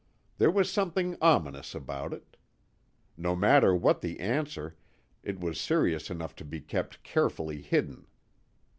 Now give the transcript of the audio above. There was something ominous about it. No matter what the answer, it was serious enough to be kept carefully hidden.